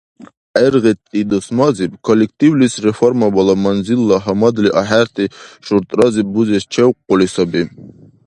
ГӀергъити дусмазиб коллективлис реформабала манзилла гьамадли ахӀенти шуртӀразиб бузес чевкъули саби.